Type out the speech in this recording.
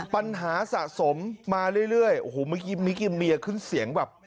ปัญหาสะสมมาเรื่อยโอ้โหเมื่อกี้มิกิเมียขึ้นเสียงแบบ